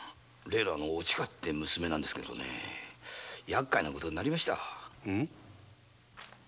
例の「おちか」って娘なんですがやっかいなことになりました。